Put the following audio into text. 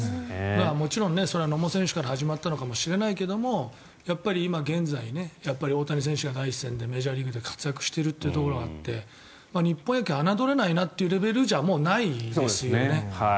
もちろんそれは野茂選手から始まったのかもしれないけれどもやっぱり今現在大谷選手が第一線でメジャーリーグで活躍しているというところがあって日本野球侮れないというレベルはもうないですよね。